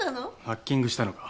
ハッキングしたのか？